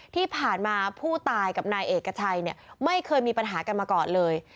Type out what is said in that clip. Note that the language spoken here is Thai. ที่ผ่านมาผู้ตายกับนายเอกชัยไม่เคยมีปัญหากันมาก่อนเลย